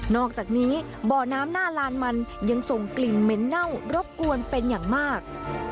อกจากนี้บ่อน้ำหน้าลานมันยังส่งกลิ่นเหม็นเน่ารบกวนเป็นอย่างมาก